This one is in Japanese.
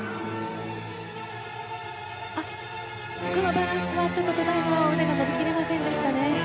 バランスちょっと土台の腕が伸びきれませんでしたね。